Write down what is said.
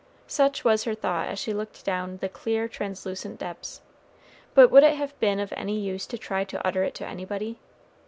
Such was her thought as she looked down the clear, translucent depths; but would it have been of any use to try to utter it to anybody?